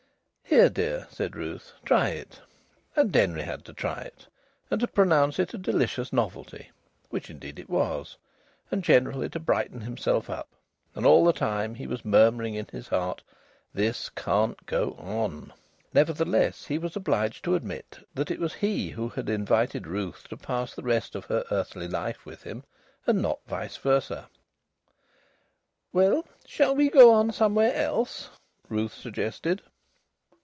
"Here, dear!" said Ruth, "try it." And Denry had to try it, and to pronounce it a delicious novelty (which indeed it was) and generally to brighten himself up. And all the time he was murmuring in his heart, "This can't go on." Nevertheless, he was obliged to admit that it was he who had invited Ruth to pass the rest of her earthly life with him, and not vice versa. "Well, shall we go on somewhere else?" Ruth suggested.